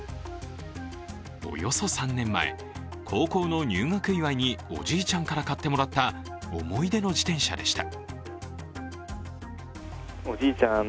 およそ３年前、高校の入学祝いにおじいちゃんから買ってもらった思い出の自転車でした。